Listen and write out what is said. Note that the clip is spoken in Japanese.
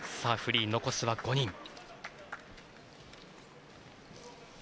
フリー、残すは５人。